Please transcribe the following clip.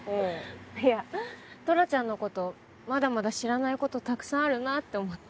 いやトラちゃんの事まだまだ知らない事たくさんあるなって思って。